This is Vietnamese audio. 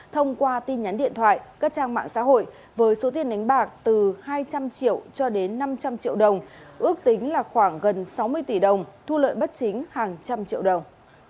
thông qua tin nhắn điện thoại các trang mạng xã hội với số tiền đánh bạc từ hai trăm linh triệu cho đến năm trăm linh triệu đồng ước tính là khoảng gần sáu mươi tỷ đồng thu lợi bất chính hàng trăm triệu đồng